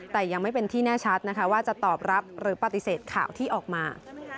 แต่ยังไม่เป็นที่แน่ชัดนะคะว่าจะตอบรับหรือปฏิเสธข่าวที่ออกมา